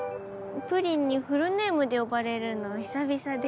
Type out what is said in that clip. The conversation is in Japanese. ぷりんにフルネームで呼ばれるの久々で。